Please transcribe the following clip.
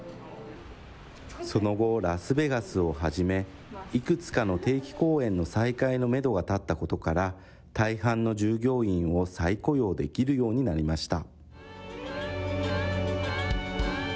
その後、ラスベガスをはじめ、いくつかの定期公演の再開のメドが立ったことから、大半の従業員を再雇用できるようになりました。